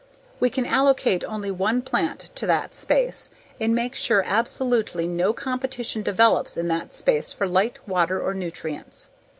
We can allocate only one plant to that space and make sure absolutely no competition develops in that space for light, water, or nutrients.